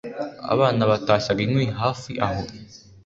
Abana batashyaga inkwi hafi aho